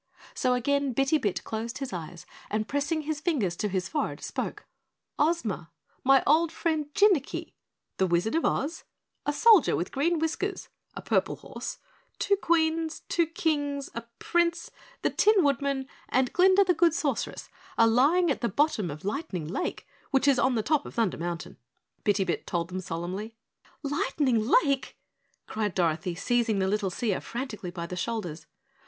So again Bitty Bit closed his eyes and pressing his fingers to his forehead spoke: "Ozma, my old friend Jinnicky, the Wizard of Oz, a soldier with green whiskers, a purple horse, two Queens, two Kings, a Prince, the Tin Woodman, and Glinda the Good Sorceress are lying at the bottom of Lightning Lake, which is on the top of Thunder Mountain," Bitty Bit told them solemnly. "Lightning Lake?" cried Dorothy, seizing the little seer frantically by the shoulders.